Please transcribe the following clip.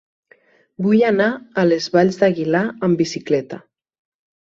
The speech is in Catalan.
Vull anar a les Valls d'Aguilar amb bicicleta.